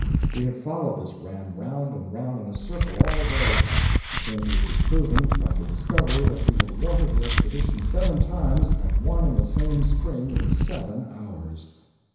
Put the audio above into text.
We had followed this ram round and round in a circle all day a thing which was proven by the discovery that we had watered the Expedition seven times at one and same spring in seven hours.